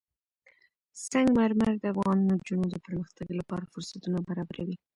سنگ مرمر د افغان نجونو د پرمختګ لپاره فرصتونه برابروي.